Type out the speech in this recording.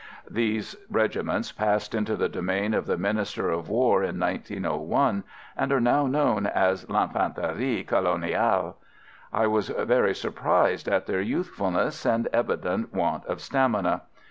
These regiments passed into the domain of the Minister of War in 1901, and are now known as L'Infanterie Coloniale. I was very surprised at their youthfulness and evident want of stamina.